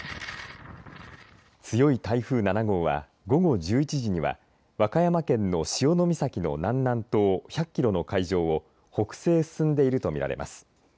強い台風７号は午後１１時には和歌山県の潮岬の南南東１００キロの海上を北西へ進んでいると見られます。